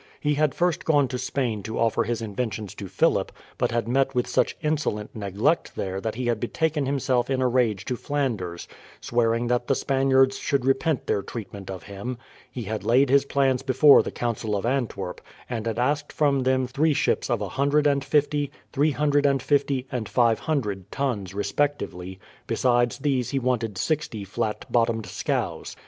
He had first gone to Spain to offer his inventions to Philip, but had met with such insolent neglect there that he had betaken himself in a rage to Flanders, swearing that the Spaniards should repent their treatment of him. He had laid his plans before the Council of Antwerp, and had asked from them three ships of a hundred and fifty, three hundred and fifty, and five hundred tons respectively, besides these he wanted sixty flat bottomed scows.